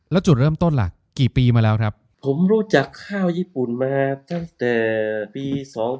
แล้วจุดเริ่มต้นล่ะกี่ปีมาแล้วครับผมรู้จักข้าวญี่ปุ่นมาตั้งแต่ปี๒๕๖